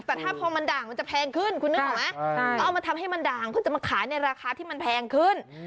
แต่ถ้าพอมันด่างมันจะแพงขึ้นคุณนึกออกไหมต้องเอามาทำให้มันด่างเพื่อจะมาขายในราคาที่มันแพงขึ้น